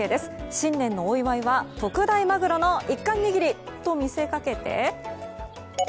新年のお祝いは特大マグロの一貫握りと見せかけて。